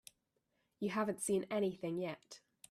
You haven't seen anything yet.